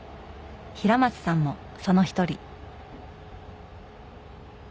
平松さんもその一人。